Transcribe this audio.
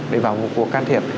để vào một cuộc can thiệp